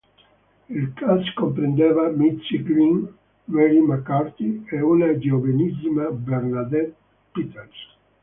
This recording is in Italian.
Il cast comprendeva Mitzi Green, Mary McCarty e una giovanissima Bernadette Peters.